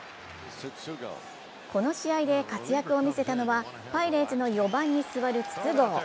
この試合で活躍を見せたのは、パイレーツの４番に座る筒香。